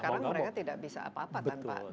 sekarang mereka tidak bisa apa apa tanpa